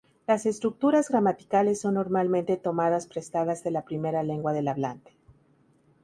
Las estructuras gramaticales son normalmente tomadas prestadas de la primera lengua del hablante.